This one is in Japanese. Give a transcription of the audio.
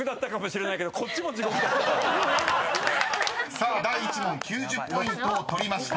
［さあ第１問９０ポイントを取りました］